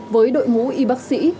với đội ngũ y bác sĩ